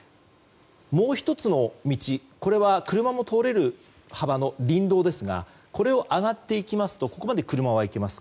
もう１つの道、これは車も通れる幅の林道ですがこれを上がっていきますとここまで車は行けます。